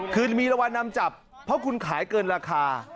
คือมีรางวัลนำจับเพราะคุณขายเกินราคา